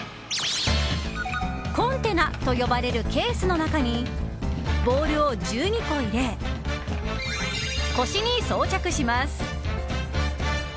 コンテナと呼ばれるケースの中にボールを１２個入れ腰に装着します。